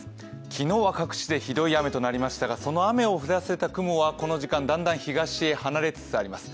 昨日は各地でひどい雨となりましたが、その雨を降らせた雲はこの時間だんだん東へ離れつつあります。